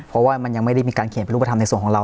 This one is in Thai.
เพราะว่ามันยังไม่ได้มีการเขียนเป็นรูปธรรมในส่วนของเรา